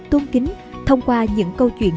tôn kính thông qua những câu chuyện